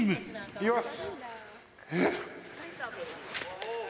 いきます。